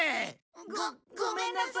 ごごめんなさい。